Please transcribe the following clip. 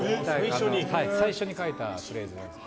最初に書いたフレーズで。